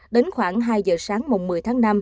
đến khoảng hai giờ sáng một mươi tháng năm